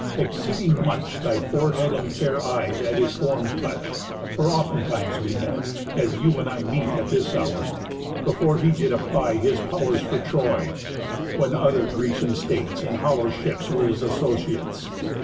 Exceeding much Thy forehead and fair eyes at his form touch; For oftentimes we met, as you and I Meet at this hour, before he did apply His pow'rs for Troy, when other Grecian states In hollow ships were his associates.